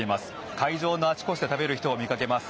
会場のあちこちで食べる人を見かけます。